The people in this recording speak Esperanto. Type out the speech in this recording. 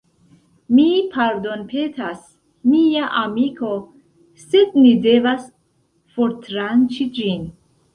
Mi pardonpetas, mia amiko sed ni devas fortranĉi ĝin